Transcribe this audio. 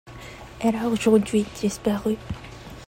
Elle a aujourd'hui disparu.